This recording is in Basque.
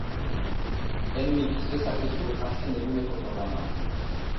Hemen ikus dezakezu azken eguneko programa.